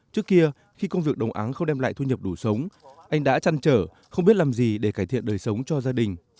trước kia khi công việc đồng áng không đem lại thu nhập đủ sống anh đã chăn trở không biết làm gì để cải thiện đời sống cho gia đình